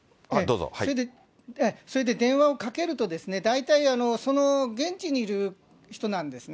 それで電話をかけると、大体その現地にいる人なんですね。